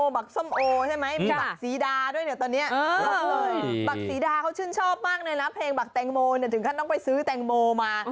บักศรีดาเขาชื่นชอบมากเลยนะเพลงบักแตงโมถึงก็ต้องไปซื้อแตงโมมา